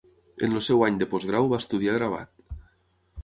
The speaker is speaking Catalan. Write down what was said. En el seu any de postgrau va estudiar gravat.